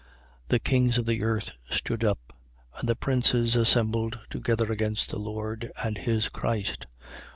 4:26. The kings of the earth stood up: and the princes assembled together against the Lord and his Christ.